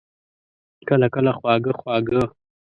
کله، کله خواږه، خواږه